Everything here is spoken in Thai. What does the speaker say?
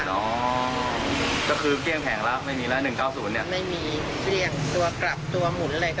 ก็คือเกลี้ยงแผงแล้วไม่มีแล้ว๑๙๐เนี่ย